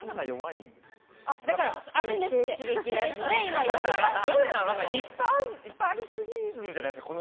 いっぱいありすぎるじゃないですか。